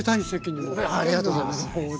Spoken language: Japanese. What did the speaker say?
ありがとうございます。